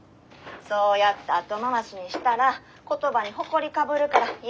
そうやって後回しにしたら言葉にホコリかぶるから今言いなさい。